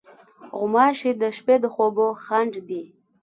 غوماشې د شپې د خوبو خنډ دي.